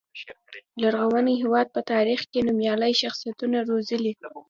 لرغوني هېواد په تاریخ کې نومیالي شخصیتونه روزلي.